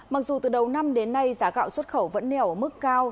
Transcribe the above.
mặc dù từ đầu năm đến nay giá gạo xuất khẩu vẫn neo ở mức cao